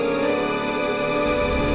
baik baik baik